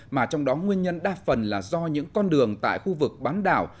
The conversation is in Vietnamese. mà trong đó nguyên nhân đa phần là do những con đường tại khu vực bán đảo